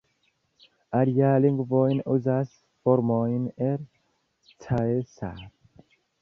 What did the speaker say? Aliaj lingvoj uzas formojn el "caesar".